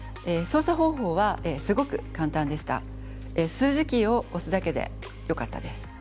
数字キーを押すだけでよかったです。